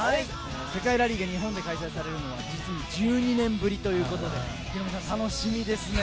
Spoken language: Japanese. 世界ラリーが日本で開催されるのは実に１２年ぶりということでヒロミさん楽しみですね。